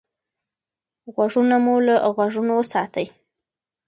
غوږونه مو له غږونو وساتئ.